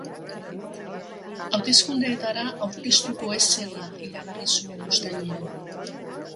Hauteskundeetara aurkeztuko ez zela iragarri zuen uztailean.